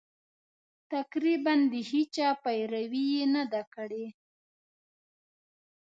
تقریباً د هېچا پیروي یې نه ده کړې.